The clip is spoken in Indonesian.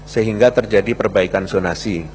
sehingga terjadi perbaikan zonasi